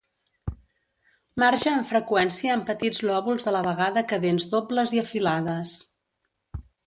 Marge amb freqüència amb petits lòbuls a la vegada que dents dobles i afilades.